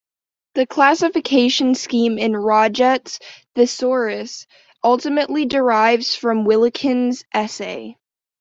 The classification scheme in Roget's Thesaurus ultimately derives from Wilkins's "Essay".